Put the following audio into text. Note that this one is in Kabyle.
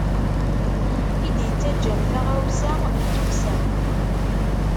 I d-ittaǧǧan taɣawsa, d tukksa.